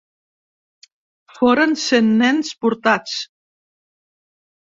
Foren cent nens portats.